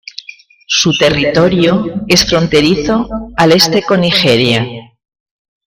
Su territorio es fronterizo al este con Nigeria.